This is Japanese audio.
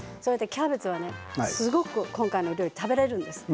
キャベツはすごく今回の料理食べられるんです。